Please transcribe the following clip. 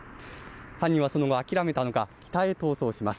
犯人はその後、諦めたのか北へ逃走します。